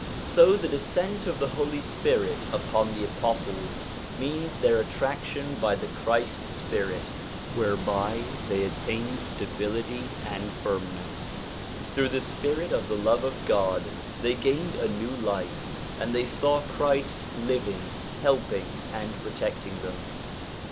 So the descent of the Holy Spirit upon the apostles means their attraction by the Christ Spirit, whereby they acquired stability and firmness. Through the spirit of the love of God they gained a new life, and they saw Christ living, helping, and protecting them.